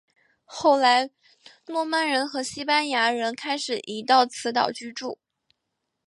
后来诺曼人和西班牙人开始移到此岛居住。